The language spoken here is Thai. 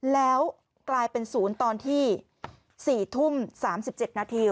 แล้วกลายเป็นศูนย์ตอนที่๔ทุ่ม๓๗นาที